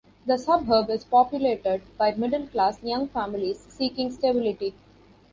The suburb is populated by middle class, young families seeking stability.